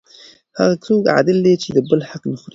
هغه څوک عادل دی چې د بل حق نه خوري.